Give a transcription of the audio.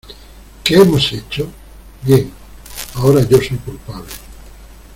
¿ Qué hemos hecho? ¡ bien! ¡ ahora yo soy culpable !